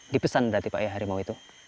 dipesan berarti pak ya harimau itu